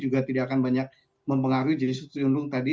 jadi tidak akan banyak mempengaruhi jenis triundung tadi